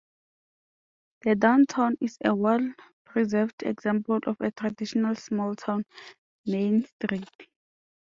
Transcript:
The downtown is a well-preserved example of a traditional small-town main street.